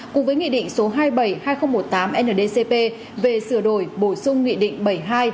cùng với nghị định số hai mươi bảy hai nghìn một mươi tám ndcp về sửa đổi bổ sung nghị định bảy mươi hai